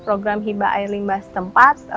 program hibah air limbah setempat